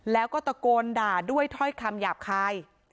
แล้วก็ตะโกนด่าด้วยถ้อยคำหยาบคาย